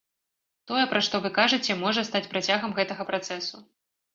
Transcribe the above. Тое, пра што вы кажыце, можа стаць працягам гэтага працэсу.